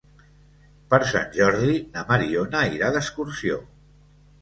Per Sant Jordi na Mariona irà d'excursió.